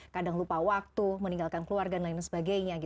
kadang lupa waktu meninggalkan keluarga dan lain sebagainya